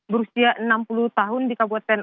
berusia enam puluh tahun di kabupaten